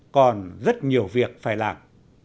còn rất nhiều việc phải làm